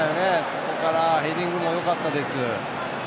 そこからヘディングもよかったです。